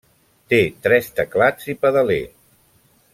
Té tres teclats i pedaler.